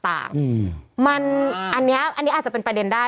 อันนี้อาจจะเป็นประเด็นได้